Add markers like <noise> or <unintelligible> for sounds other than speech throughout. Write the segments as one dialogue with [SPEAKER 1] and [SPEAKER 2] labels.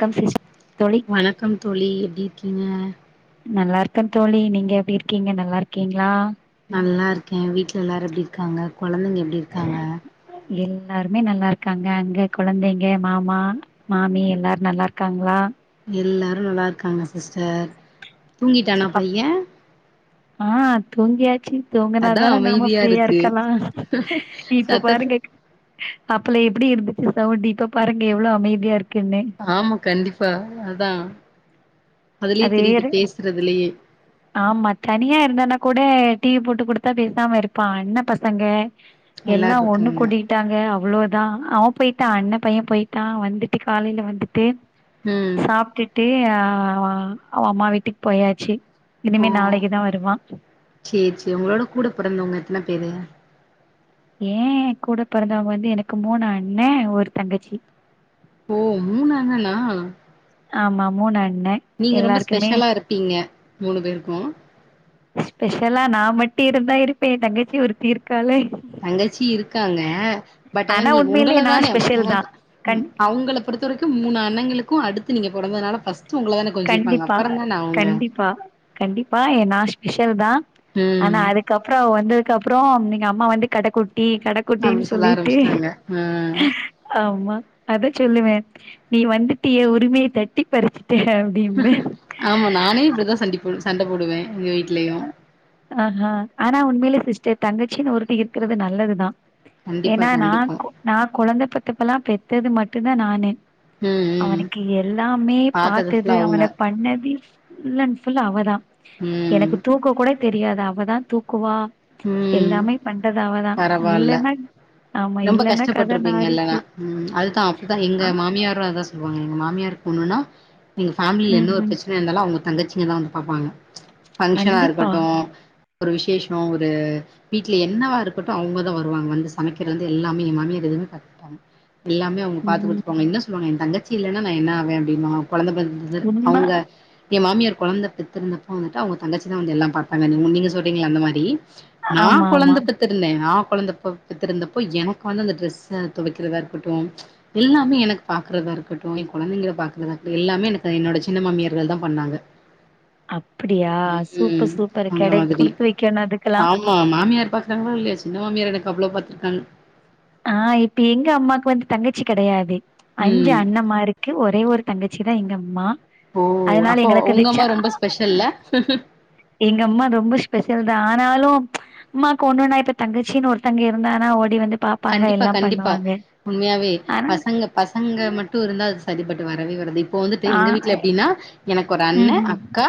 [SPEAKER 1] <unintelligible> தோழி
[SPEAKER 2] வணக்கம் தோழி எப்டி இருக்கீங்க
[SPEAKER 1] நல்லா இருக்கேன் தோழி நீங்க எப்படி இருக்கீங்க நல்லா இருக்கீங்களா
[SPEAKER 2] நல்லா இருக்கே வீட்ல எல்லாரு எப்படி இருக்காங்க கொழந்தைங்க எப்படி இருக்காங்க
[SPEAKER 1] எல்லாருமே நல்லா இருக்காங்க அங்க கொழந்தைங்க மாமா மாமி எல்லாரு நல்லா இருக்காங்களா
[SPEAKER 2] எல்லாரு நல்லா இருக்காங்க சிஸ்டர் தூங்கிட்டானா
[SPEAKER 1] சாப்
[SPEAKER 2] பைய
[SPEAKER 1] ஆ தூங்கியாச்சு தூங்கனா
[SPEAKER 2] அதா
[SPEAKER 1] தானே நாம
[SPEAKER 2] அமைதியா
[SPEAKER 1] ஃப்ரீயா
[SPEAKER 2] இருக்கு
[SPEAKER 1] இருக்கலா இப்ப பாருங்க
[SPEAKER 2] சத்தத்த
[SPEAKER 1] அப்பலே எப்படி இருந்துச்சு சவுண்டு இப்ப பாருங்க எவ்ளோ அமைதியா இருக்குன்னு
[SPEAKER 2] ஆமா கண்டிப்பா அதா அதுலயே
[SPEAKER 1] அதே
[SPEAKER 2] தெரியுது பேசுறதுலயே
[SPEAKER 1] ஆமா தனியா இருந்தனா கூட டி வி போட்டு குடுத்தா பேசாம இருப்பா அண்ண பசங்க
[SPEAKER 2] எல்லாரு
[SPEAKER 1] எல்லா ஒண்ணு
[SPEAKER 2] இருக்காங்க
[SPEAKER 1] கூடி ட்டாங்க அவ்வளோதா அவ போயிட்டா அண்ண பைய போயிட்டா வந்துட்டு காலையில வந்துட்டு
[SPEAKER 2] ம்
[SPEAKER 1] சாப்ட்டுட்டு அ அவ அம்மா வீட்டுக் போயாச்சு இனிமே நாளைக்கு தா வருவா
[SPEAKER 2] சேர் சேர் உங்களோட கூட பொறந்தவங்க எத்தன பேரு
[SPEAKER 1] ஏ கூட பிறந்தவங்க வந்து எனக்கு மூனு அண்ண ஒரு தங்கச்சி
[SPEAKER 2] ஓ மூனு அண்ணனா
[SPEAKER 1] ஆமா மூணு அண்ணே
[SPEAKER 2] நீங்க ரொம்ப
[SPEAKER 1] எல்லாருக்குமே
[SPEAKER 2] ஸ்பெஷலா இருப்பீங்க மூணு பேருக்கு
[SPEAKER 1] ஸ்பெஷலா நா மட்டு இருந்தா இருப்பே ஏ தங்கச்சி ஒருத்தி இருக்காலே
[SPEAKER 2] தங்கச்சி இருக்காங்க பட் ஆனா நீ
[SPEAKER 1] உண்மையிலே
[SPEAKER 2] உங்கள
[SPEAKER 1] நா
[SPEAKER 2] தானே
[SPEAKER 1] ஸ்பெஷல் தா
[SPEAKER 2] மூத்
[SPEAKER 1] கண்
[SPEAKER 2] அவங்களுக் பொறுத்த வரைக்கு மூணு அண்ணங்களுக்கு அடுத்து நீங்க பொறந்ததுனால ஃபர்ஸ்ட்டு உங்கள தான
[SPEAKER 1] கண்டிப்பா கண்டிப்பா கண்டிப்பா எ நா ஸ்பெஷல் தா ஆனா
[SPEAKER 2] ம்
[SPEAKER 1] அதுக் கப்றோ வந்ததுக் அப்புறோ நீங்க அம்மா வந்து கடக் கு டி கடக்குட்டின்
[SPEAKER 2] அப்டி சொல்ல
[SPEAKER 1] சொல்லிட்டு
[SPEAKER 2] ஆரம்பிச்சுட்டாங்க ம்
[SPEAKER 1] ஆமா அத சொல்லுவே நீ வந்துட்டியே ஏ உரிமைய தட்டி பறிச்சுட்டே டிம்மே
[SPEAKER 2] ஆமா நானே இப்படிதா சண்டி போ சண்ட போடுவே எங்க வீ ட்லியு
[SPEAKER 1] ஆஹ் ஆனா உண்மையில சிஸ்டர் தங்கச்சின்னு ஒருத்தி இருக்கிறது நல்லதுதா
[SPEAKER 2] கண்டிப்பா
[SPEAKER 1] ஏன்னா நா
[SPEAKER 2] கண்டிப்பா
[SPEAKER 1] கொ நா கொழந்த பெத்தப்பெல்லா பெத்தது மட்டு தா நானு
[SPEAKER 2] ம் ம்
[SPEAKER 1] அவனுக்கு எல்லாமே
[SPEAKER 2] ஃபுல்லா
[SPEAKER 1] பாத்தது
[SPEAKER 2] அவங்க
[SPEAKER 1] அவன பண்ணது ஃபுல் அன் ஃபுல் அவதா
[SPEAKER 2] ம்
[SPEAKER 1] எனக்கு தூக்க கூட தெரியாது அவதா தூக்குவா
[SPEAKER 2] ம்
[SPEAKER 1] எல்லாமே பண்றது அவ தா
[SPEAKER 2] பரவால்ல
[SPEAKER 1] இல்லனா
[SPEAKER 2] ரொம்ப கஷ்டப்பட்ருப்பீங்க இல்லனா ம் அதுதா அப்பதா
[SPEAKER 1] ஆ
[SPEAKER 2] எங்க மாமியாரு அதா சொ எங்க மாமியாருக் ஒன்னுனா எங்க பேமிலில எந்த ஒரு
[SPEAKER 1] ம்ஹ்ம்.
[SPEAKER 2] பிரச் பிரசன இருந்தாலு அவங்க தங்கச்சிங்க தா வந்து பாப்பாங்க பங்கஷனா
[SPEAKER 1] கண்டிப்பா.
[SPEAKER 2] இருக்கட்டு ஒரு விசேஷோ ஒரு து வீட்லியே என்னவா இருக்கட்டு அவங்கதா வருவாங்க வந்து சமைக்கிறது ந்து எல்லாமே எ மாமியார் எதுவுமே பாத்துப்பாங்க எல்லாமே பாத்து
[SPEAKER 1] ம்
[SPEAKER 2] குடுத்துட் போங்க என்ன சொல்வாங்க எ தங்கச்சி இல்லன்னா நா என்னாவே அப்டின்வா கொழந்த பெத்ததுல
[SPEAKER 1] உண்ம
[SPEAKER 2] அவுங்க எ மாமியார் கொழந்த பெத்திருந்தப்போ வந்துட்டு அவங்க தங்கச்சி தா வந்து எல்லா பாத்தாங்க நீ நீங்க சொல்றீங்களே அந்த மாரி நா
[SPEAKER 1] ஆமா ஆமா.
[SPEAKER 2] கொழந்த பெத் த்திருந்தே நா கொழந்த ப பெத்திருந்தப்போ எனக்கு வந்து அந்த டிரெஸ்ஸ துவைக்கிறதா இருக்கட்டு எல்லாமே எனக்கு பாக்குறதா இருக்கட்டு எ கொழந்தைங்கல பாக்கறதா இருக்கட்டு எல்லாமே எனக்கு என்னோட சின்ன மாமியர்கள் தா பண்ணாங்க <unintelligible>
[SPEAKER 1] அப்படியா
[SPEAKER 2] ம்
[SPEAKER 1] சூப்பர் சூப்பர் கெடைக் குடுத்து வைக்கனு அதுக்
[SPEAKER 2] ஆம்மா மாமியார் பாக்குறாங்களோ இல்லையோ சின்ன மாமியார் எனக்கு அவ்ளோ பாத்துருக்காங்க
[SPEAKER 1] ஆ இப்ப எங்க அம்மாக்கு வந்து தங்கச்சி கெடையாது அஞ்சு
[SPEAKER 2] ம்
[SPEAKER 1] அண்ணமாரு க்கு ஒரே ஒரு தங்கச்சி தா எங்க அம்மா
[SPEAKER 2] ஓ
[SPEAKER 1] அதனால
[SPEAKER 2] அப்போ
[SPEAKER 1] எங்களுக்கு
[SPEAKER 2] உங்க அம்மா
[SPEAKER 1] பிச்சா
[SPEAKER 2] ரொம்ப ஸ்பெஷல்ல
[SPEAKER 1] எங்க அம்மா ரொம்ப ஸ்பெஷல் தா ஆனாலு அம்மாக்கு ஒண்ணுனா இப்ப தங்கச்சின்னு ஒருதவங்க இருந்தாங்கனா ஓடி வந்து பா
[SPEAKER 2] கண்டிப்பா கண்டிப்பா உண்மையாவே
[SPEAKER 1] ஆனா
[SPEAKER 2] பசங்க பசங்க மட்டு இருந்தா அது செரிப்பட்டு வரவே வராது இப் இப்போ வந்துட்டு
[SPEAKER 1] ஆ
[SPEAKER 2] எங்க வீட்ல எப்டினா எனக்கு ஒரு
[SPEAKER 1] ம்
[SPEAKER 2] அண்ணே
[SPEAKER 1] ம்
[SPEAKER 2] அக்கா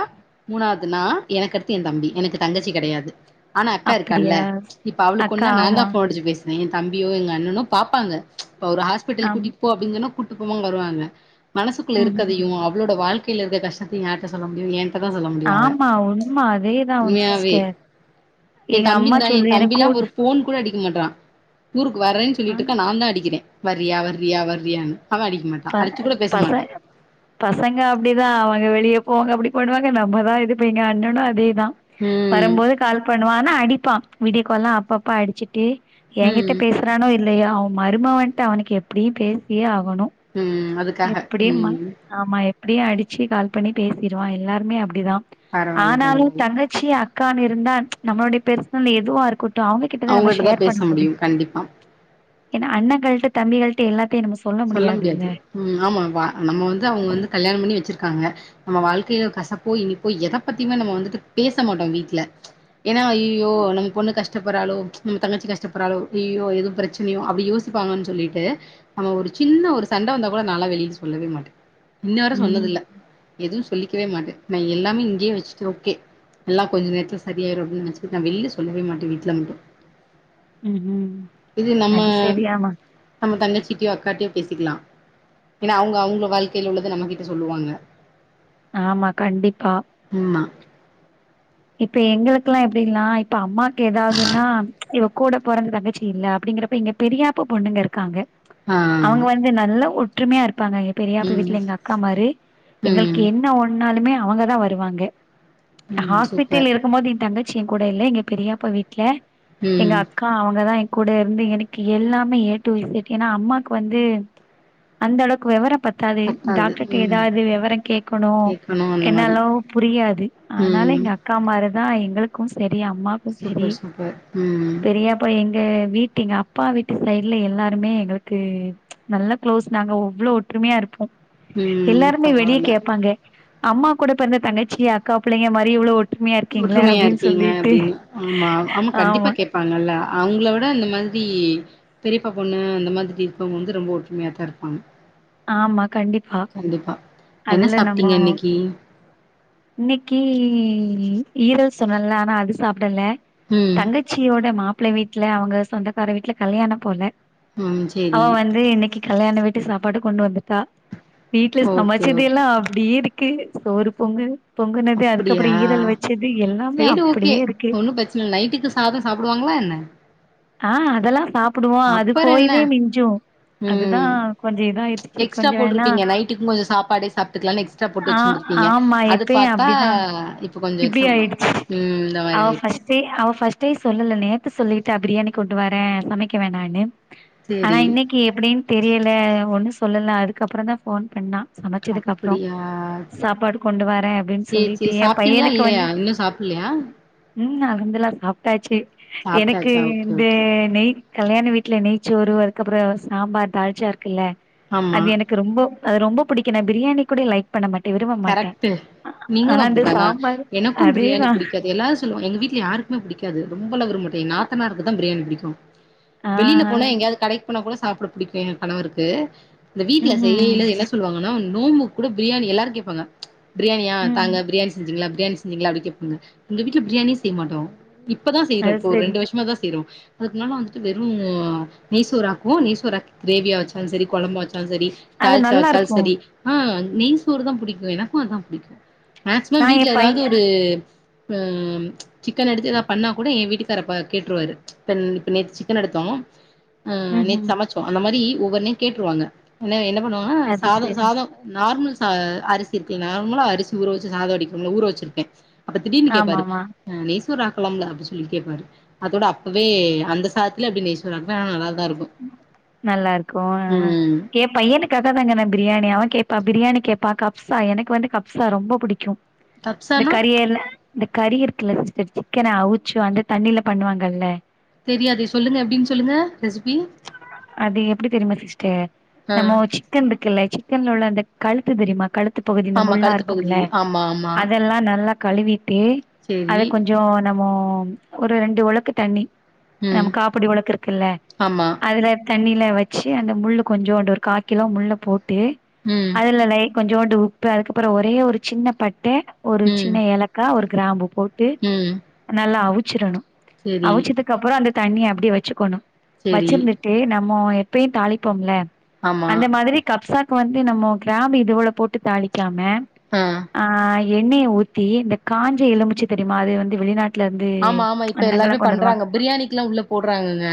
[SPEAKER 2] மூணாவதுனா எனக்கு அடுத்து ஏ தம்பி எனக்கு தங்கச்சி கெடையாது ஆனா அக்கா இருக்கால்ல
[SPEAKER 1] அப்டியா
[SPEAKER 2] இப்ப அவளுக்கு
[SPEAKER 1] அக்கா
[SPEAKER 2] ஒண்ணுனா நா தா
[SPEAKER 1] ஆமா
[SPEAKER 2] போன் அடிச்சு பேசுவே ஏ தம்பியோ எங்க அண்ணனோ பாப்பாங்க இப்போ ஒரு ஹாஸ்பிட்டல்
[SPEAKER 1] ஆம்
[SPEAKER 2] கூட்டி கோ அப்டின்னு சொன்னா கூட்டு போவோ வருவாங்க மனசுக்குள்ள
[SPEAKER 1] ம்
[SPEAKER 2] இருக்கதையு
[SPEAKER 1] ம்
[SPEAKER 2] உங்களோட வாழ்க்கையில இருக்குற கஷ்டத்தையு யார்ட சொல்ல முடியு ஏன்ட ஏங்கிட்ட தா சொல்ல முடியு அவ
[SPEAKER 1] ஆமா உண்ம அதேதா
[SPEAKER 2] உண்மையாவே
[SPEAKER 1] சிஸ்டர்
[SPEAKER 2] ஏ
[SPEAKER 1] எங்க
[SPEAKER 2] தம்பி
[SPEAKER 1] அம்மா
[SPEAKER 2] இந்தா ஏ
[SPEAKER 1] சொல்லு எனக்கு
[SPEAKER 2] தம்பில்லா
[SPEAKER 1] கூட
[SPEAKER 2] ஒரு போன் கூட அடிக்க மாட்றா ஊருக்கு வரேன்னு
[SPEAKER 1] ஆ
[SPEAKER 2] சொல்லிட்டுக்கா நான் த அடிக்கிறே வர்ரியா வர்ரியா வர்ரியான்னு அவே அடிக்க மாட்
[SPEAKER 1] ப பச பசங்க அப்டிதா அவங்க வெளியே போக அப்டி பண்ணுவாங்க நம்ம தா இது பேங்க அண்ணனு அதேதா
[SPEAKER 2] ம்
[SPEAKER 1] வரம்போது கால் பண்ணுவா ஆனா அடிப்பா வீடியோ கால்லா அப்பப்பா அடிச்சிட்டு ஏங்கிட்ட
[SPEAKER 2] ம்
[SPEAKER 1] பேசுறானோ இல்லையா அவன் மருமாவன்ட்டு அவனுக்கு எப்டியு பேசியே ஆகணு
[SPEAKER 2] ம் அதுக்
[SPEAKER 1] எப்டியுமாங் ஆம்மா எப்புடியு அடிச்சு கால் பண்ணி பேசிருவான் எல்லாருமே அப்டிதா
[SPEAKER 2] பரவால்ல
[SPEAKER 1] ஆனாலு
[SPEAKER 2] பரவால்ல
[SPEAKER 1] தங்கச்சி அக்கானு இருந்தா நம்மளுடைய பெர்சனல் எதுவா இருக்கட் அத அவுங்ககிட்டதா நம்ம
[SPEAKER 2] அவங்ககிட்டதா
[SPEAKER 1] ஷேர்
[SPEAKER 2] பேச
[SPEAKER 1] பண்ண முடியு
[SPEAKER 2] கண்டிப்பா
[SPEAKER 1] ஏனா அண்ணங்கள்ட தம்பிகள்ட எல்லாத்தையு நம்ம சொல்ல முடியாதுல்ல
[SPEAKER 2] ம் ஆமா வா நம்ம வந்து அவுங்க வந்து கல்யாணோ பண்ணி வச்சுருக்காங்க நம்ம வாழ்க்கையில கசப்போ இனிப்போ எத பத்தியுமே நம்ம வந்துட்டு பேச மாட்டோ வீட்ல ஏனா ஐயயோ நம்ம பொண்ணு கஷ் கஷ்டப்படுறாலோ நம் தங்கச்சி கஷ்டபடுறாளோ நம்ம தங்கச்சி கஷ்டபடுறாளோ ஐயயோ எது பிரச்சனையோ அப்டி யோசிப்பாங்கன்னு சொல்லிட்டு நம்ம ஒரு சின்ன ஒரு சண்ட வந்தா கூட நாலா வெளிய சொல்லவே மாட்டே இன்ன வர சொன்னது
[SPEAKER 1] ம்
[SPEAKER 2] இல்ல எதுவு சொல்லிக்கவே மாட்டே நா எல்லாமே இங்கேயே வச்சுட்டு ஓகே எல்லா கொஞ்ச நேரத்துல செரியாயிரு அப்டினு நெனச்சுட்டு நா வெளியில சொல்லவே மாட்டே வீட்ல மட்டு
[SPEAKER 1] ம்
[SPEAKER 2] இது நம்ம
[SPEAKER 1] அது சரி ஆமா
[SPEAKER 2] நம்ம தங்கச்சிக்கோ அக்கா காட்டியே பேசிக்கலா ஏனா அவுங்க அவுங்க வாழ்க்கையில உள்ளத நம்மகிட்ட சொல்லுவாங்க
[SPEAKER 1] ஆமா கண்டிப்பா
[SPEAKER 2] ம்மா
[SPEAKER 1] இப்ப எங்களுக்கெல்லா எப்புடில்லா இப்ப அம்மாக்கு ஏதாவதுன்னா இவ கூட பொறந்த தங்கச்சில்ல அப்டிங்கிறப்ப இங்க பெரியாப்ப பொண்ணுங்க இருக்காங்க
[SPEAKER 2] ஆ
[SPEAKER 1] அவுங்க வந்து நல்ல ஒற்றுமையா இருப்பாங்க பெரியாப்ப
[SPEAKER 2] ம்
[SPEAKER 1] வீட்ல எங்க அக்கா மாரு எங்களுக்கு
[SPEAKER 2] ம்
[SPEAKER 1] என்ன ஒண்ணுணாலுமே அவங்கதா வருவாங்க
[SPEAKER 2] ம் சூப்பர்
[SPEAKER 1] ஹாஸ்பிட்டல்ல இருக்கும் போது ஏ தங்கச்சியு ஏங்கூட இல்ல எங்க பெரியாப்ப வீட்ல எங்க
[SPEAKER 2] ம்
[SPEAKER 1] அக் ப்ப அவங்கதா ஏங்கூட இருந்து எனக்கு எல்லாமே ஏட்டு இசட் ஏனா அம்மாக்கு வந்து அந்த அளவுக்கு வெவரோ பத்தாது டாக்டர்ட ஏதாவது வெவர கேக்கனு
[SPEAKER 2] கேட்கணு அந்த மாரி
[SPEAKER 1] என்னாலோ புரியாது அதனால
[SPEAKER 2] ம்
[SPEAKER 1] எங்க அக்காமாரு தா எங்களுக்கும் செரி அம்மாக்
[SPEAKER 2] சூப்பர் சூப்பர் ம்
[SPEAKER 1] அப்ப எங்க வீட்டு எங்க அப்பா வீட்டு சைடுல எல்லாருமே எங்களுக்கு நல்ல குளோஸ் நாங்க அவ்ளோ ஒற்றுமையா இருப்போ
[SPEAKER 2] ம்
[SPEAKER 1] எல்லாருமே வெளியே
[SPEAKER 2] பரவால்ல
[SPEAKER 1] கேப்பாங்க அம்மா கூட பெறந்த தங்கச்சி அக்கா பிள்ளைங்க மாரி இவ்ளவு ஒற்
[SPEAKER 2] ஒற்றுமையா இருக்கிங்க அப்டினு ஆமா ஆமா கண்டிப்பா கேப் பப்பாங்கல்ல அவங்கள விட அந்த மாதிரி பெரிப்பா பொண்ணு அந்த மாதிரி இருப்பவங்க வந்து ரொம்ப ஒற்றுமையா தா இருப்பாங்க
[SPEAKER 1] ஆமா கண்டிப்பா
[SPEAKER 2] கண்டிப்பா என்ன
[SPEAKER 1] அதுல
[SPEAKER 2] சாப்ட்டீங்க இன்னைக்கு
[SPEAKER 1] இன்னைக்கு ஈரல் சொன்னல ஆனா அது சாப்டல
[SPEAKER 2] ம்
[SPEAKER 1] தங்கச்சி தங்கச்சியோட மாப்பிள வீட்ல அவங்க சொந்தக்கார வீட்ல கல்யாணம் போல
[SPEAKER 2] ம்
[SPEAKER 1] அவ
[SPEAKER 2] சேரி
[SPEAKER 1] வந்து இன்னைக்கு கல்யாண வீட்டு சாப்பாடு கொண்டு வந்துட்டா வீட்ல
[SPEAKER 2] ஓகே
[SPEAKER 1] சமைச்சது
[SPEAKER 2] ஓகே
[SPEAKER 1] எல்லா அப்டியே இரு க்கு சோறு பொங்கு பொங்குனது அதுக்கப்பறோ
[SPEAKER 2] அப்படியா
[SPEAKER 1] ஈரல் வெச்சது எல்லாமே
[SPEAKER 2] சேரி ஓகே
[SPEAKER 1] அப்டியே இருக்கு
[SPEAKER 2] ஒன்னும் பிரச்சன நைட்டுக்கு சாதம் சாப்டுவாங்களா என்ன
[SPEAKER 1] அ அதெல்லா சாப்டுவோ அது
[SPEAKER 2] அப்பறம் என்ன
[SPEAKER 1] போயுமே மிஞ்சூ அதுதா
[SPEAKER 2] ம்
[SPEAKER 1] கொஞ்சோ இதாயிடுச்சி சரி
[SPEAKER 2] எக்ஸ்ட்ரா
[SPEAKER 1] கொஞ்சோ வேணா
[SPEAKER 2] போட்ருப்பீங்க நைட்டுக்கு கொஞ்சம் சாப்பாடே சாப்ட்டுக்கலான்னு எக்ஸ்ட்ரா போட்டு
[SPEAKER 1] அ
[SPEAKER 2] வச்சிருந்திருப்பீங்க
[SPEAKER 1] ஆமா
[SPEAKER 2] அது
[SPEAKER 1] எப் இவெ
[SPEAKER 2] பாத்தா
[SPEAKER 1] அப்டிதா
[SPEAKER 2] இப்ப கொஞ்சம்
[SPEAKER 1] இப்டி
[SPEAKER 2] எக்ஸ்ட்ரா ம்
[SPEAKER 1] ஆயிடுச்சு
[SPEAKER 2] இந்த மாரி
[SPEAKER 1] அவ
[SPEAKER 2] ஆயிடுச்சு
[SPEAKER 1] ஃபஸ்ட் சேரி அவ ஃபஸ்ட்டே சொல்லல நேத்து சொல்லிட்டா பிரியாணி கொண்டு வரேன் சமைக்க வேண்டான்னு ஆனா
[SPEAKER 2] சேரி
[SPEAKER 1] இன்னைக்கு எப்டின்னு தெரியல ஒண்ணு சொல்லல அதுக்கப்பறோ தா போன் பண்ணா சமைச்சதுக்கு அப்றோ
[SPEAKER 2] அப்படியா
[SPEAKER 1] சாப்பாடு கொண்டு வரே அப்டின்னு
[SPEAKER 2] சேரி
[SPEAKER 1] சொல்லிட்டு
[SPEAKER 2] சேரி
[SPEAKER 1] எ
[SPEAKER 2] சாப்ட்டீங்களா
[SPEAKER 1] பையனுக்கு வந்து
[SPEAKER 2] இன்னும் இல்லையா
[SPEAKER 1] ம் அவங்கல்லா சாப்ட்டாச்சு எனக்கு
[SPEAKER 2] சாப்ட்டாச்சா ஓகே
[SPEAKER 1] இந்த
[SPEAKER 2] ஓகே
[SPEAKER 1] நெய் கல்யாண வீட்ல நெய்ச்சோறு அதுக்கப்பறோ சாம்பார் தால்ச்சா இருக்குல்ல
[SPEAKER 2] ஆமா
[SPEAKER 1] அது எனக்கு எனக்கு ரொம்ப அது ரொம்ப பிடிக்கு நான் பிரியாணி கூட லைக் பண்ண மாட்டே விரும்ப மாட்டே
[SPEAKER 2] நீங்களு
[SPEAKER 1] ஆனா இந்த
[SPEAKER 2] அப்டித்தானா
[SPEAKER 1] சாம்பார்
[SPEAKER 2] எனக்கு பிரியாணி
[SPEAKER 1] அதேதா
[SPEAKER 2] பிடிக்காது எல்லாரு சொல்லுவாங்க எங்க வீட்ல யாருக்கு பிடிக்காது ரொம்பலா விரும்ப மாட்டே எ நாத்தனாருக்கு தா பிரியாணி பிடிக்கு
[SPEAKER 1] ஆ
[SPEAKER 2] வெளியில போனா எங்காய அது கடைக்கு போனா கூட சாப்பிட புடிக்கும் என் கணவருக்கு இந்த வீட்ல
[SPEAKER 1] ம் ம்
[SPEAKER 2] செய்யயில என்ன சொல்வாங்க ஆனா நோம்புக் கூட பிரியாணி எல்லாரும் கேப்பாங்க பிரியாணியா
[SPEAKER 1] ம்
[SPEAKER 2] தாங்க பிரியாணி செஞ்சிங்ளா பிரியாணி <unintelligible> அப்டி கேப்பாங்க எங்க வீட்ல பிரியாணியே செய்யமாட்டோ இப்பதா செய்றோ
[SPEAKER 1] அது
[SPEAKER 2] இப்ப
[SPEAKER 1] சரி
[SPEAKER 2] ரெண்டு வருஷமா தா செய்றோ அதுக்கு முன்னாடிலா வந்துட்டு வெறும் நெய்சோறு ஆக்குவோ நெய் சோறு ஆக்கி கிரேவியா வச்சாலு சரி கொழம்பா வச்சா வச்சாலு சரி
[SPEAKER 1] அது
[SPEAKER 2] தால்ஸ்ஸா
[SPEAKER 1] நல்லா
[SPEAKER 2] வெச்சாலு
[SPEAKER 1] இருக்கு
[SPEAKER 2] சரி அ நெய் சோறுதா பிடிக்கு எனக்கு அதுதா பிடிக்கு
[SPEAKER 1] நா
[SPEAKER 2] மேக்சிமம்
[SPEAKER 1] எ
[SPEAKER 2] வீட்ல
[SPEAKER 1] பைய
[SPEAKER 2] ஏதாவது ஒரு அ சிக்கன் எடுத்து ஏதா பண்ணா கூட எ வீட்டுக்காரு அப்ப கேட்டுருவாரு இப்ப நேத்து சிக்கன் எடுத்தோ அ நேத்து
[SPEAKER 1] ம்ஹும்
[SPEAKER 2] சமைச்சோ அந்த மாரி ஒவ்வொன்னையு கேட்டுருவாங்க என்ன என்ன பண்ணுவாங்கனா
[SPEAKER 1] அது
[SPEAKER 2] சாதோ
[SPEAKER 1] சரி
[SPEAKER 2] சாதோ நார்மல் சா அரிசி இருக்குல நார்மலா அரிசி ஊற வச்சு சாதம் வடிப்போம்ல ஊற வச்சிருக்கே அப்ப திடீனு கேப்பாரு
[SPEAKER 1] ஆமாமா
[SPEAKER 2] நெய் சோறு ஆக்கலாம்ல அப்டி சொல்லி கேப்பாரு அதோட அப்பவே அந்த சாதத்தத்துலே அப்டி நெய் சோறு ஆக்குவே ஆனா நல்லா தா இருக்கு
[SPEAKER 1] நல்லா இருக்கு அ
[SPEAKER 2] ம்
[SPEAKER 1] கேப் பையனுக்காக தாங்க நா பிரியாணி அவெ கேட்பா பிரியாணி கேட்பா கப்சா எனக்கு வந்து கப்சா ரொம்ப புடிக்கு இந்த
[SPEAKER 2] கப்சானா
[SPEAKER 1] கறிய ல இந்த கறி இருக்குல்ல சிஸ்டர் சிக்கன அவுச்சு அந்த தண்ணியில பண்ணுவாங்கல்ல
[SPEAKER 2] தெரியாதே சொல்லுங்க எப்டின்னு சொல்லுங்க ரெசிபி
[SPEAKER 1] அது எப்டி தெரியுமா சிஸ்டர்
[SPEAKER 2] ஆ
[SPEAKER 1] நம்ம சிக் சிக்கன் இருக்குல்ல சிக்கன்ல உள்ள அந்த கழுத்து தெரியுமா கழு கழுத்து பகுதி இந்த
[SPEAKER 2] ஆமா
[SPEAKER 1] முல்லா
[SPEAKER 2] கழுத்து
[SPEAKER 1] இருக்கும்ல
[SPEAKER 2] பகுதி ஆமா ஆமா
[SPEAKER 1] அதெல்லா நல்லா கழுவிட்டு
[SPEAKER 2] சேரி
[SPEAKER 1] அத கொஞ்சோ நம்ம ஒரு ரெண்டு ஒலக்கு தண்ணி
[SPEAKER 2] ம்
[SPEAKER 1] நம் காப்படி ஒலக்கு இருக்குல்ல
[SPEAKER 2] ஆமா
[SPEAKER 1] அதுல தண்ணில வச்சு அந்த முள்ளு கொஞ்சோன்டு ஒரு கா கிலோ முள்ள போட்டு
[SPEAKER 2] ம்
[SPEAKER 1] அதுல லைட் கொஞ்சோன்டு உப்பு அதுக்கப்பறோ ஒரே ஒரு சின்ன பட்டை ஒரு
[SPEAKER 2] ம்
[SPEAKER 1] சின்ன ஏலக்கா ஒரு கிராம்பு போ ட்டு
[SPEAKER 2] ம்
[SPEAKER 1] நல்லா அவுச்சிரணு
[SPEAKER 2] சேரி
[SPEAKER 1] அவுச்சிதுக்கு அப்பறோ அந்த தண்ணிய அப்டியே வச்சுகணு
[SPEAKER 2] சேரி
[SPEAKER 1] ச்சிருந்துட்டு நம்மோ எப்பயு தாளிப்போம்ல
[SPEAKER 2] ஆமா
[SPEAKER 1] அந்த மாதிரி கப்சாக்கு வந்து நம்மோ கிராம்பு இதுவுல போட்டு தாளிக்காம ஆ எண்ணெய ஊத்தி இந்த காஞ்ச எலுமுச்ச தெரியுமா அது வந்து வெளிநாட்
[SPEAKER 2] ஆமா ஆமா இப்ப எல்லாருமே பண்றாங்க பிரியாணிக்குல்லா உள்ள போட்றாங்கங்க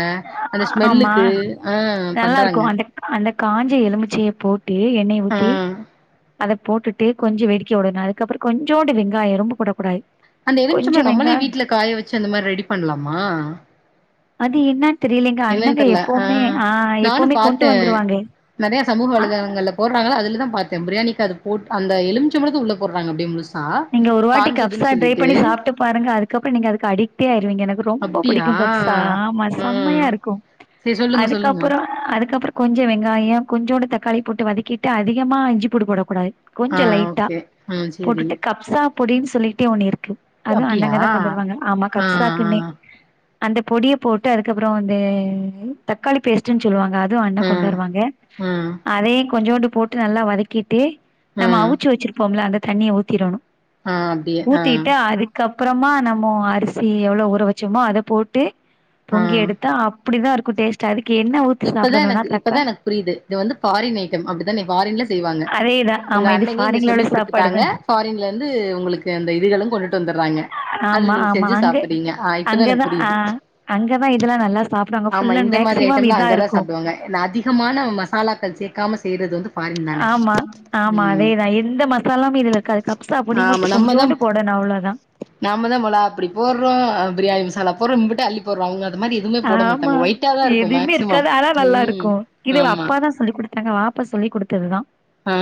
[SPEAKER 2] அந்த
[SPEAKER 1] ஆமா
[SPEAKER 2] ஸ்மெல்லுக்கு ஆ
[SPEAKER 1] நல்லா இருக்கு
[SPEAKER 2] பண்றாங்க
[SPEAKER 1] அந்த அந்த காஞ்ச எலுமிச்சைய போட்டு எண்ணெய
[SPEAKER 2] ஆ
[SPEAKER 1] ஊத்தி அத போட்டுட்டு கொஞ்சோ வெடிக்க உடணு அதுக்கப்பறோ கொஞ்சோண்டு வெங்காயம் ரொம்ப போடக் கூடாது
[SPEAKER 2] அந்த எலுமிச்ச பழோ நம்மளே வீட்ல காய வச்சு அந்த மாறி ரெடி பண்லாமா
[SPEAKER 1] அது என்னான்னு தெரிலைங் எங்க
[SPEAKER 2] என்னன்னு
[SPEAKER 1] அண்ணங்க
[SPEAKER 2] தெர்ல
[SPEAKER 1] எப்பவுமே ஆ
[SPEAKER 2] நானு
[SPEAKER 1] எப்பவுமே கொண்ட்டு
[SPEAKER 2] பாத்தே
[SPEAKER 1] வந்துருவாங்க ஆ
[SPEAKER 2] போட்றாங்களா அதுல தா பாத்தே பிரியாணிக் அதுக் போட் அந்த எலுமிச்ச பழத்த உள்ள போட்றாங்க அப்டியே முழுச
[SPEAKER 1] நீங்க ஒரு வாட்டி கப்சா ட்ரை பண்ணி சாப்ட்டு பாருங்க அதுக்கப்புறோ நீங்க அதுக்கு அடிக்டே ஆயிருவீங்க எனக்கு ரொம்ப புடிக்
[SPEAKER 2] அப்டியா
[SPEAKER 1] கொஞ்சோ கப்சா ஆமா
[SPEAKER 2] ஆ
[SPEAKER 1] செம்மையா இருக்கும்
[SPEAKER 2] செரி சொல்லுங்க சொல்லுங்க
[SPEAKER 1] அதுக்கப்பறோ அதுக்கப்பறோ கொஞ்சோ வெங்காயம் கொஞ்சோண்டு தக்காளி போட்டு வதக்கிட்டு அதிகமா இஞ்சி பூண்டு போடக்கூடாது
[SPEAKER 2] ஆ
[SPEAKER 1] கொஞ்சோ லைட்டா
[SPEAKER 2] ஓகே ம் சேரி
[SPEAKER 1] போட்டுட்டு கப்சா பொடின்னு சொல்லிட்டே ஒன்னு இருக்கு அதும்
[SPEAKER 2] அப்டியா
[SPEAKER 1] அண்ணங்க தா கொண்டு வருவாங்க ஆமா
[SPEAKER 2] ஆ ஆ
[SPEAKER 1] கப்சாக்குன்னே அந்த பொடிய போட்டு அதுக்கப்புறோ இந்த தக்காளி பேஸ்ட்டுன்னு சொல்லுவாங்க அதும் அண்ணே கொண்டு
[SPEAKER 2] ம்
[SPEAKER 1] வருவாங்க
[SPEAKER 2] ம்
[SPEAKER 1] அதையு கொஞ்சோண்டு போட்டு நல்லா வதக்கிட்டு நம்ம
[SPEAKER 2] ம்
[SPEAKER 1] அவுச்சு வச்சுருப்போம்ல்ல அந்த தண்ணிய ஊத்திறணு
[SPEAKER 2] ஆ அப்டியே ஆ
[SPEAKER 1] ஊத்திட்டு அது கப்பறமா நம்மோ அரிசி எவ்ளோ ஊற வச்சோமோ அத போட்டு
[SPEAKER 2] ஆ
[SPEAKER 1] பொங்கி எடுத்தா அப் அப்புடிதா இருக்கும் டேஸ்ட் டதுக் எ‌ண்ண ஊ
[SPEAKER 2] இப்பதா எனக்கு இப்பதா எனக் புரியிது இது வந்து ஃபாரின் ஐட்டம் அப்டித்தான ஃபாரின்ல செய்வாங்க
[SPEAKER 1] அதேதா
[SPEAKER 2] உங்க
[SPEAKER 1] ஆமா இது
[SPEAKER 2] அண்ணேங்க இங்க
[SPEAKER 1] ஃபாரின்ல
[SPEAKER 2] சொல்லி
[SPEAKER 1] உள்ள
[SPEAKER 2] குடுத்துட்டாங்க
[SPEAKER 1] சாப்பாடுதா
[SPEAKER 2] ஃபாரின்ல வந்து உங்களுக்கு அந்த இதுகளு கொண்டுட் வந்தர்றாய்ங்க அதுல
[SPEAKER 1] ஆமா
[SPEAKER 2] நீங்க
[SPEAKER 1] ஆமா
[SPEAKER 2] செஞ்சு
[SPEAKER 1] அங்க
[SPEAKER 2] சாப்பட்றீங்க ஆ இப்பதா எனக்
[SPEAKER 1] அங்கதா ஆ
[SPEAKER 2] புரியிது
[SPEAKER 1] அங்கதா இதெல்லா நல்லா சாப்டுவாங்க
[SPEAKER 2] ஆமா
[SPEAKER 1] ஃபுல் அண்ட்
[SPEAKER 2] இந்த மாதிரி
[SPEAKER 1] மேக்சிமம்
[SPEAKER 2] ஐட்டம்லா
[SPEAKER 1] இதா
[SPEAKER 2] அங்கதா
[SPEAKER 1] இருக்கு
[SPEAKER 2] சாப்புட்வாங்க ஏன்னா அதிகமான மசாலாக்கள் சேக்காம செய்யுறது வந்து ஃபாரின் தானே
[SPEAKER 1] ஆமா ஆமா
[SPEAKER 2] ம்
[SPEAKER 1] அதேதா எந்த மசாலாமே இதுல இருக்காது கப்சா பொடி மட்டு கொஞ்சோண்டு போடணு அவ்ளதா
[SPEAKER 2] நாம்ம தா மொளாப்புடி போட்றோ அ பிரியாணி மசாலா போட்றோ இம்புட்டும் அள்ளி ஒரு வைங்காது மாறி எதுமே போட மாட்டாங்க ஒயிட்டா தா இருக்கு மே
[SPEAKER 1] கத அத்தா நல்லா இருக்கும இது அப்பாதா சொல்லி் குடுத்தாங்க வாப்பா சொல்லி குடுத்ததுதா
[SPEAKER 2] ஆ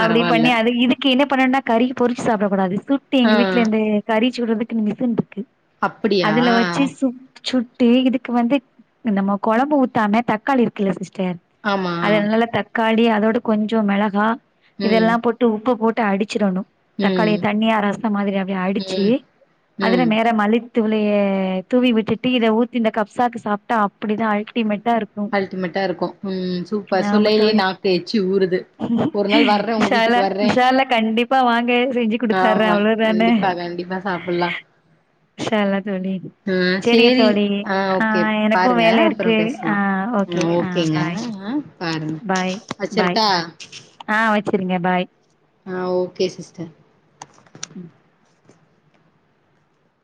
[SPEAKER 1] அப்டி பண்ணி அதி இது இங்கி என்ன பண்ணுனா கறிய பொறிச்சு சாப்புடக்கூடாது சுட்டு
[SPEAKER 2] ஆ
[SPEAKER 1] எங்க வீட்ல இந்த கறிச்சுட்றதுக்குன்னு மிசுன் இருக்கு
[SPEAKER 2] அப்படியா
[SPEAKER 1] அதுல வச்சு சு சுட்டு இதுக்கு வந்து நம்ம கொழம்பு ஊத்தாம தக்காளி இருக்குல்ல சிஸ்டர்
[SPEAKER 2] ஆமா
[SPEAKER 1] அதனால தக்காளி அதோட கொஞ்சோ மிளகா
[SPEAKER 2] ம்
[SPEAKER 1] இதெல்லா போ ட்டு உப்பு போட்டு அடிச்சிறணு
[SPEAKER 2] ம்
[SPEAKER 1] தக்காளிய தண்ணியா ரசம் மாறி அப்டியே அடிச்சு
[SPEAKER 2] ம்
[SPEAKER 1] அதுல
[SPEAKER 2] ம்
[SPEAKER 1] மேற மல்லி தூளே தூவி விட்டுட்டு இத ஊத்தி இந்த கப்சாக்கு சாப்டா அப்புடிதா அல்டிமேட்டா இருக்கும்
[SPEAKER 2] அல்டிமேட்டா இருக்கும் ம் சூப்பர்
[SPEAKER 1] ஆமா
[SPEAKER 2] சொல்லையிலயே
[SPEAKER 1] தோழி
[SPEAKER 2] நாக்கு எச்சு ஊறுது ஒரு நாள் வர்றே உங்க
[SPEAKER 1] இன்ஷா
[SPEAKER 2] வீட்டுக்கு
[SPEAKER 1] அல்லா
[SPEAKER 2] வர்றே
[SPEAKER 1] இன்ஷா அல்லா கண்டிப்பா வாங்க செஞ்சு குடுத்தர்றே
[SPEAKER 2] ஆமா
[SPEAKER 1] அவ்ளோதானே
[SPEAKER 2] கண்டிப்பா கண்டிப்பா சாப்புட்லா
[SPEAKER 1] ஷலாத் வண்டி
[SPEAKER 2] உம் சேரி ஆ அ ஓகே
[SPEAKER 1] எனக்கு
[SPEAKER 2] பாருங்க
[SPEAKER 1] வேல
[SPEAKER 2] அப்பறோ
[SPEAKER 1] இருக்கு ஆ
[SPEAKER 2] பேஸ்லா
[SPEAKER 1] ஓகே
[SPEAKER 2] ம்
[SPEAKER 1] ஆ
[SPEAKER 2] ஓகேங்க
[SPEAKER 1] பாய்
[SPEAKER 2] அ பாருங்
[SPEAKER 1] பாய் பாய்
[SPEAKER 2] வெச்சரட்டா
[SPEAKER 1] ஆ வெச்சிருங்க பாய்
[SPEAKER 2] ஆ ஓகே சிஸ்டர்
[SPEAKER 1] ம்